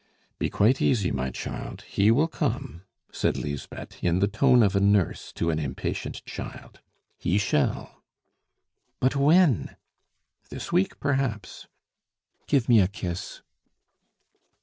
"Be quite easy, my child, he will come," said Lisbeth, in the tone of a nurse to an impatient child. "He shall." "But when?" "This week perhaps." "Give me a kiss."